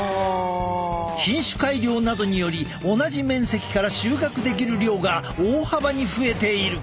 品種改良などにより同じ面積から収穫できる量が大幅に増えている。